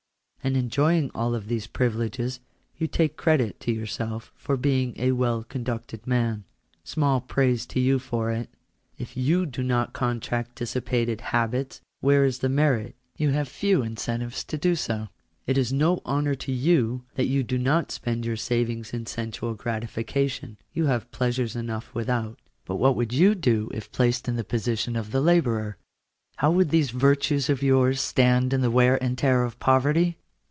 And enjoying all these privileges you take credit to yourself for being a well conducted man ! Small praise to you for it ! If you do not contract dissipated habits where is the merit ? you have few incentives to do so. It is no honour to you that you do not spend your savings in sensual gratification; you have pleasures enough without. But what would you do if placed in the position of the labourer? How would these virtues of yours stand the wear and tear of poverty